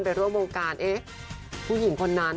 ไปร่วมวงการเอ๊ะผู้หญิงคนนั้น